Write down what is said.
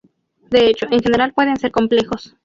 De hecho, en general pueden ser complejos.